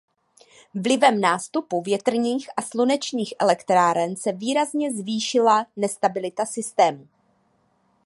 Vlivem nástupu větrných a slunečních elektráren se výrazně zvýšila nestabilita systému.